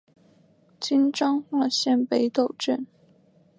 今彰化县北斗镇。